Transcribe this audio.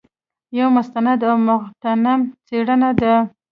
یو مستند او مغتنم څېړنه ده.